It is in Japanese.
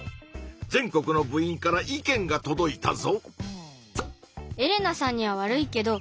全国の部員から意見がとどいたぞ！